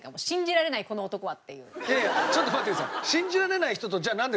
いやいやちょっと待ってください。